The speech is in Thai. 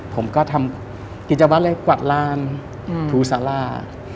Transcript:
ผมก็ทำกิจวัตรแรกกวาดลานถูสารา